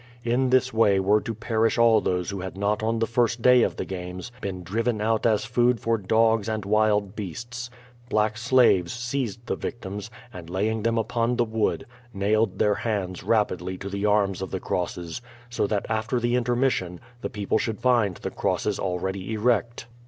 In this way were to perish all those who had not on the first day of the games been driven out as food for dogs and wild beasts. Black slaves seized the victims, and, laying them upon the wood, nailed their hands rapidly to the arms of tlie Crosses, so that after the intermission, the people should find the crosses already erect.